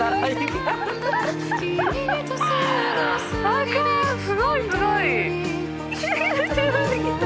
赤すごいすごい！